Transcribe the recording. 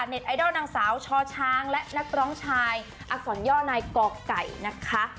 ไอดอลนางสาวชอช้างและนักร้องชายอักษรย่อนายก่อไก่นะคะ